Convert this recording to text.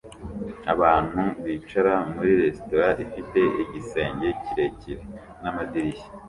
Abantu bicara muri resitora ifite igisenge kirekire n'amadirishya